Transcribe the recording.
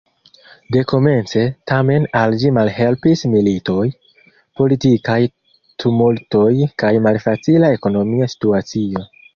Dekomence, tamen, al ĝi malhelpis militoj, politikaj tumultoj kaj malfacila ekonomia situacio.